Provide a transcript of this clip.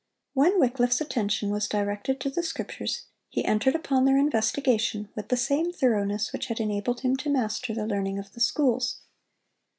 When Wycliffe's attention was directed to the Scriptures, he entered upon their investigation with the same thoroughness which had enabled him to master the learning of the schools.